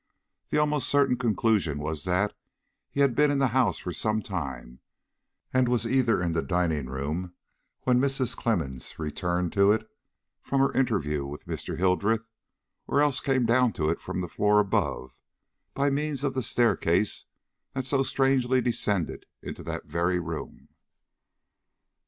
The almost certain conclusion was that he had been in the house for some time, and was either in the dining room when Mrs. Clemmens returned to it from her interview with Mr. Hildreth, or else came down to it from the floor above by means of the staircase that so strangely descended into that very room.